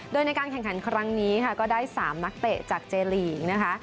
โดยในการแข่งขันครั้งนี้ค่ะก็ได้๓นักเตะจากเจลีกนะคะ